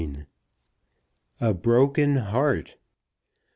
A BROKEN HEART.